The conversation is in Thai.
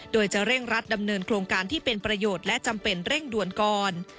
โดยจะเร่งรัดดำเนินโครงการที่เป็นประโยชน์และจำเป็นเร่งด่วนก่อน